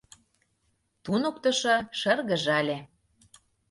— туныктышо шыргыжале.